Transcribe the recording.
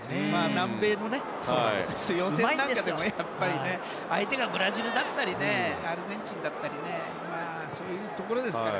南米のね、予選なんかでも相手がブラジルだったりアルゼンチンだったりそういうところなので。